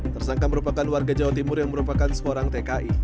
tersangka merupakan warga jawa timur yang merupakan seorang tki